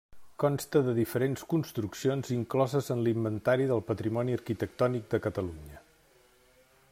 Consta de diferents construccions incloses en l'Inventari del Patrimoni Arquitectònic de Catalunya.